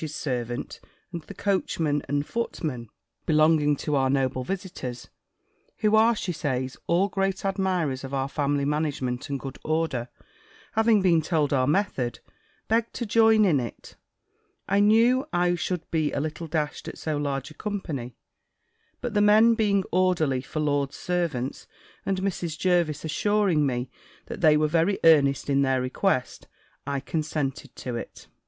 's servant, and the coachmen and footmen belonging to our noble visitors, who are, she says, all great admirers of our family management and good order, having been told our method, begged to join in it. I knew I should be a little dashed at so large a company; but the men being orderly for lords' servants, and Mrs. Jervis assuring me that they were very earnest in their request, I consented to it.